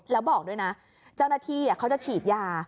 แล้วบอกด้วยนะเจ้าหน้าที่เขาจะฉีดยา